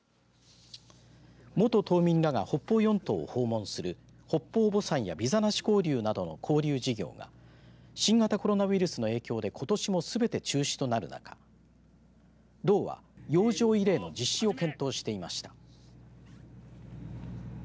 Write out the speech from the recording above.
元島民らが北方四島を訪問する北方墓参やビザなし交流などの交流事業が新型コロナウイルスの影響でことしもすべて中止となる中道は洋上慰霊の実施を検討していました。